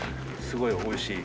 すごい美味しい。